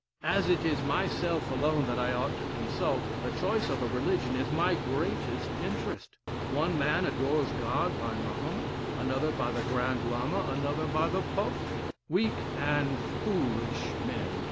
As it is myself alone that I ought to consult, the choice of a religion is my greatest interest. One man adores God by Mahomet, another by the Grand Lama, and another by the Pope. Weak and foolish men!